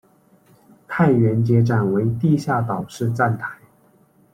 太原街站为地下岛式站台。